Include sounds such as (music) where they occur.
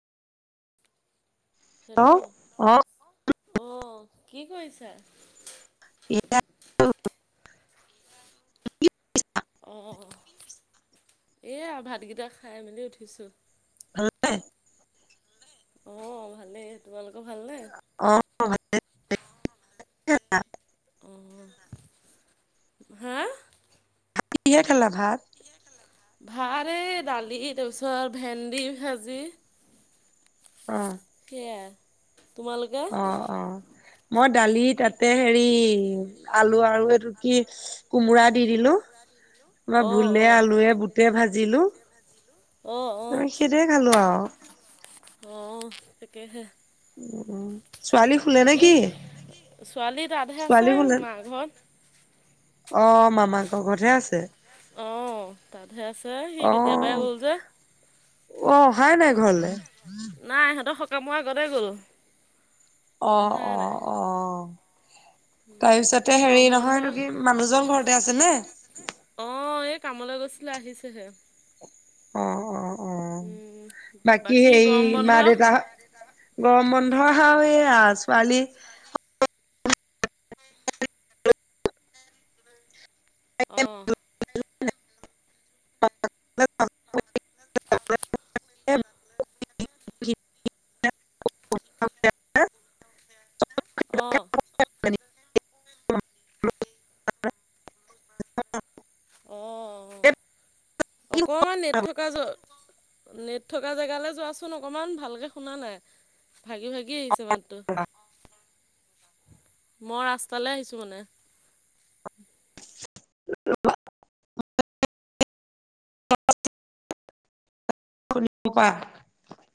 Hello অহ, কি কৰিছা। এয়াই। অহ, এই ভাতকেইটা খাই মেলি উঠিছোঁ। হ'লনে? অহ, ভালেই। তোমালোকৰ ভালনে? অহ, ভালেই। অহ, হা! কিহে খালা ভাত? ভাত এই দালি তাৰপিছত ভেন্দি ভাজি। অহ। সেয়া। তোমালোকে? অহ', অহ' মই দালিত তাতে হেৰি আলু আৰু এইটো কি কোমোৰা দি দিলোঁ। আমাৰ ভো, অঁ লে অঁ আলুৱে, বুটে, ভাছিলো ত' সেইটোয়ে খালোঁ আৰু। অহ, তাকেহে। ছোৱালী শুলে বাকী নেকি, ছোৱালী তাতহে আছে ছোৱালী শুলে? (unintelligible) অহ, মামাকৰ ঘৰতহে আছে। অহ, তাতহে আছে, সি কেতিয়াবাই গ'ল যে। অহ, অহাই নাই ঘৰলে? নাই সিহঁতৰ সকামৰ আগতেই গ'ল। অহ', অহাই নাই অহ', অহ'। বাকী তাৰপিছতে হেৰি গৰম নহয়, এইটো কি মানুহজন ঘৰতে আছেনে? আছেনে? অহ, এই কামলৈ গৈছিলে আহিছেহে। অহ', অহ', উম অহ'। বাকী হেৰি গৰম বন্ধ মা-দেউতাহঁত গৰম বন্ধ (unintelligible) এয়ে আৰু ছোৱালী ছোৱালী অহ। (unintelligible) অহ। (unintelligible) অহ। অকণমান নেট থকা নেট থকা জেগালে যোৱাচোন অকণমান, ভালকৈ শুনা নাই, ভাগি-ভাগি আহিছে মাতটো। মই ৰাস্তালে আহিছোঁ মানে। ৰবা। (unintelligible) কোৱা।